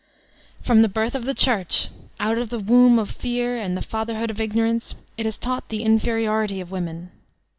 Prom the birth of the Church, out of the womb of Fear and the fatherhood of Ignorance, it has taught the inferiority of woman.